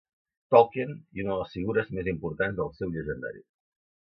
Tolkien, i una de les figures més importants del seu llegendari.